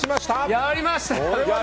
やりましたね！